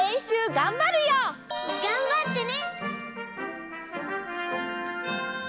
がんばってね！